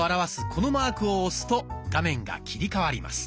このマークを押すと画面が切り替わります。